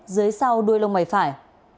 dưới sau đuôi lông mầy phải